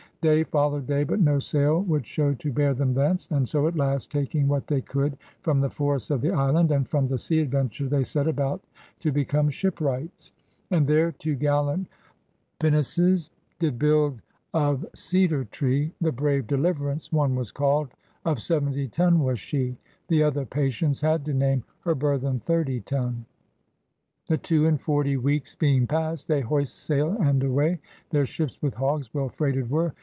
Day followed day, but no sail would show to bear them thence; and so at last, taking what they could from the forests of the island, and from the Sea Adventure, they set about to become shipwrights. And there two gallant pynases. Did build of Seader tree, The brave Deliverance one was called. Of seaventy tonne was shee, The other Patience had to name. Her burthen thirty tonne. ..•... The two and forty weekes being past They hoyst sayle and away; Their shippes with hogges well freighted were.